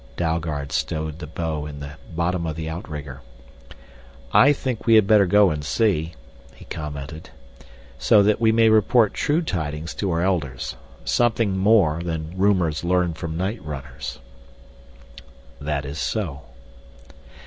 Dalgard stowed the bow in the bottom of the outrigger. "I think we had better go and see," he commented, "so that we may report true tidings to our Elders something more than rumors learned from night runners." "That is so."